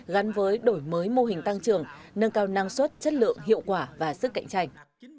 gắn với đổi mới mô hình tăng trưởng nâng cao năng suất chất lượng hiệu quả và sức cạnh tranh